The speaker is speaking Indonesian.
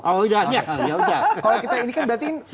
oh udah ya kalau kita ini kan berarti